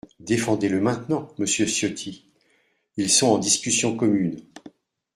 Défendez-le maintenant, monsieur Ciotti, ils sont en discussion commune.